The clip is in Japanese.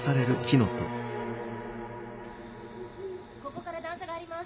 ここから段差があります。